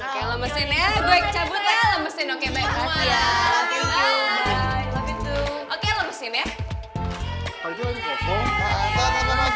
oke lemesin ya gue cabut ya lemesin oke baik baik